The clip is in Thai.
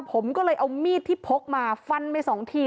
ผมก็เลยเอามีดที่พกมาฟันไปสองที